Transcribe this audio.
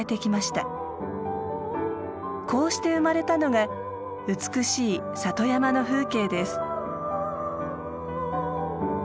こうして生まれたのが美しい里山の風景です。